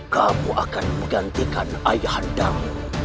kamu akan menggantikan ayah anda mu